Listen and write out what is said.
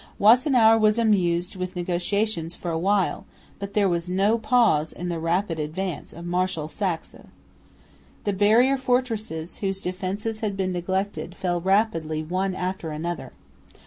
Wassenaer was amused with negotiations for awhile, but there was no pause in the rapid advance of Marshal Saxe. The barrier fortresses, whose defences had been neglected, fell rapidly one after another.